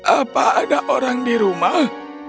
apa ada orang di rumah